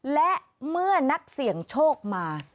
และเมื่อนักเสี่ยงโชคมา